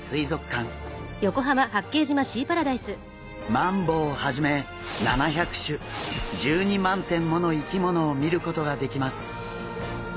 マンボウをはじめ７００種１２万点もの生き物を見ることができます。